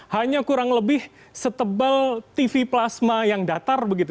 hanya kurang lebih setebal tv plasma yang datar begitu